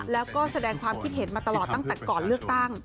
แล้วก็แสดงความคิดเห็นมาตลอดตั้งแต่ก่อนเลือกตั้ง